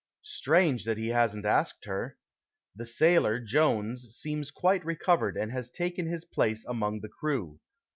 Strange that he hasn't asked her. The sailor, Jones, seems quite recovered and has taken his place among the crew.